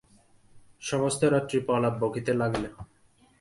সমস্ত রাত্রি প্রলাপ বকিতে লাগিল।